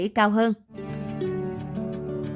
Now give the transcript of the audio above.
cảm ơn các bạn đã theo dõi và hẹn gặp lại